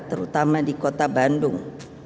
terutama di kota bandung